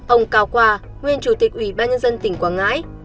ông cao khoa nguyên chủ tịch ủy ba nhân dân tỉnh quảng ngãi